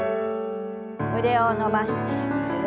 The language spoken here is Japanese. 腕を伸ばしてぐるっと。